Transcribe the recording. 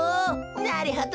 なるほど。